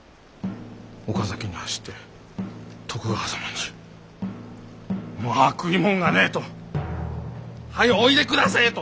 岡崎に走って徳川様にまあ食いもんがねえとはよおいでくだせえと！